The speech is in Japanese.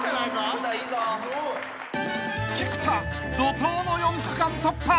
［菊田怒濤の４区間突破］